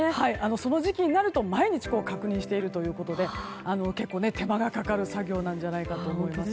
その時期になると毎日確認しているということで結構、手間がかかる作業なんじゃないかと思います。